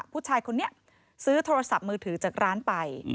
ผู้ชายคนนี้ซื้อโทรศัพท์มือถือจากร้านไป